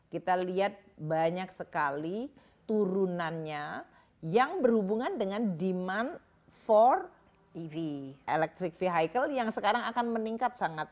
kita lihat banyak sekali turunannya yang berhubungan dengan demand empat ev electric vehicle yang sekarang akan meningkat sangat